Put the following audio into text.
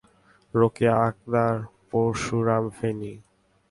Rokeya Akter Parshuram, Feni.